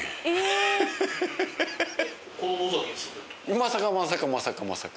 まさかまさかまさかまさか。